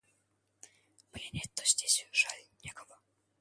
Пленять-то здесь, жаль, некого.